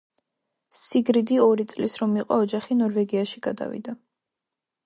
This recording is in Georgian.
სიგრიდი ორი წლის რომ იყო ოჯახი ნორვეგიაში გადავიდა.